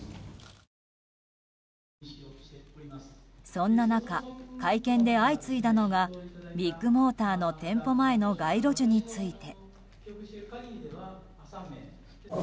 そんな中、会見で相次いだのがビッグモーターの店舗前の街路樹について。